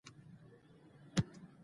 که قلم وي نو خطاطي نه پاتې کیږي.